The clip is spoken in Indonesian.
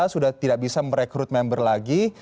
sudah tidak bisa merekrut member lagi